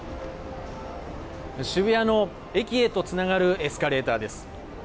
渋谷の駅へとつながるエスカレーターです。